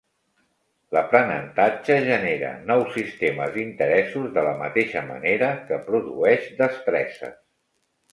L'aprenentatge genera nous sistemes d'interessos de la mateixa manera que produeix destreses.